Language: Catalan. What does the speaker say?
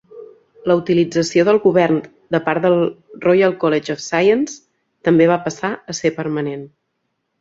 La utilització del Govern de part del Royal College of Science també va passar a ser permanent.